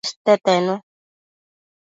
Cueste tenu